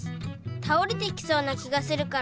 たおれてきそうな気がするから。